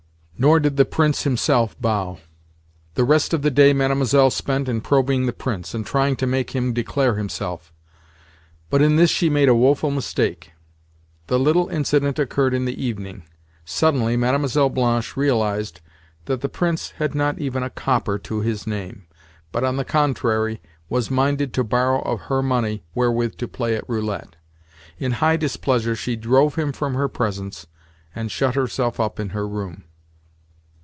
Nor did the Prince himself bow. The rest of the day Mlle. spent in probing the Prince, and trying to make him declare himself; but in this she made a woeful mistake. The little incident occurred in the evening. Suddenly Mlle. Blanche realised that the Prince had not even a copper to his name, but, on the contrary, was minded to borrow of her money wherewith to play at roulette. In high displeasure she drove him from her presence, and shut herself up in her room.